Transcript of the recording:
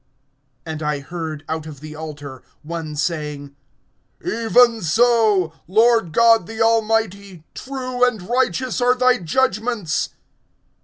(7)And I heard, out of the altar, one saying[16:7]: Even so, Lord God the Almighty, true and righteous are thy judgments.